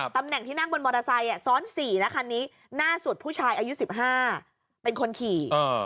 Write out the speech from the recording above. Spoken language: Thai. ตำแหน่งที่นั่งบนมอเตอร์ไซค์ซ้อน๔นะคันนี้หน้าสุดผู้ชายอายุ๑๕เป็นคนขี่